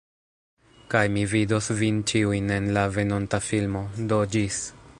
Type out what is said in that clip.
Kaj mi vidos vin ĉiujn en la venonta filmo. Do ĝis.